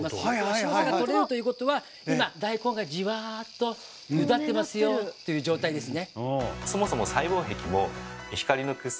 白さが取れるということは今大根がじわっとゆだってますよという状態ですね。